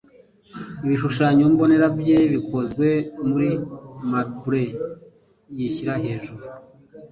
Ibishushanyo mbonera bye bikozwe muri marble yishyira hejuru